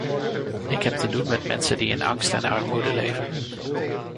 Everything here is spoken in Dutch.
Ik heb te doen met mensen die in angst en armoede leven.